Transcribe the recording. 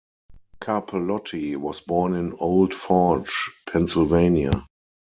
Carpellotti was born in Old Forge, Pennsylvania.